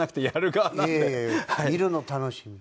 見るの楽しい。